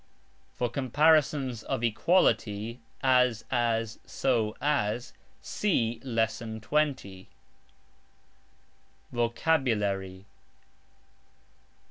For comparisons of equality, as...as, so...as, see Lesson 20. VOCABULARY.